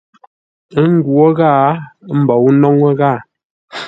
Ə́ nghwó ghâa, ə́ mbôu nóŋə́ ghâa.